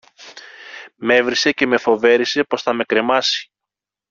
μ' έβρισε και με φοβέρισε πως θα με κρεμάσει